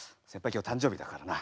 今日誕生日だからな。